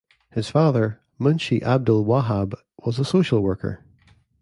His father Munshi Abdul Wahab was a social worker.